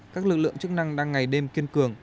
các lực lượng chức năng đang ngày đêm kiên cường